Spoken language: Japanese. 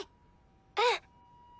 うん！